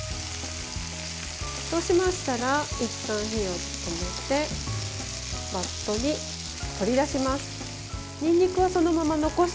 そうしましたらいったん火を止めてバットに取り出します。